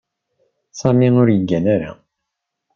Sami ur yeggan ara.